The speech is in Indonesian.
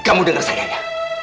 kamu dengar saya ya